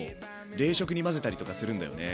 冷食に混ぜたりとかするんだよねよく。